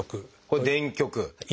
これ電極。